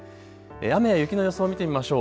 雨や雪の予想を見てみましょう。